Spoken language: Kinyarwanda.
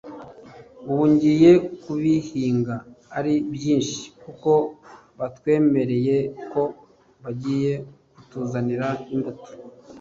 ubu ngiye kubihinga ari byinshi kuko batwemereye ko bagiye kutuzanira imbuto